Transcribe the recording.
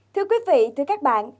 thưa quý vị thưa các bạn